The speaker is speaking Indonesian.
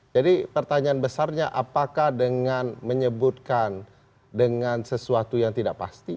jadi pertanyaan besarnya apakah dengan menyebutkan dengan sesuatu yang tidak pasti